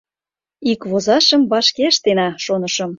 «Ик возашым вашке ыштена», — шонышым.